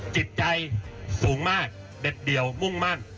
จิตใจสูงมากเด็ดเดี่ยวมุ่งมั่น